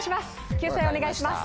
救済をお願いします。